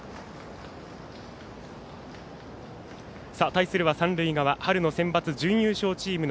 対するは三塁側春のセンバツ準優勝チーム